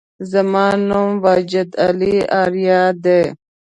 زما نوم واجد علي آریا دی